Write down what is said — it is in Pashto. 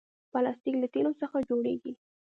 پلاستيک له تیلو څخه جوړېږي.